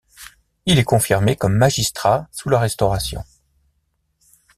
Il est confirmé comme magistrat sous la Restauration.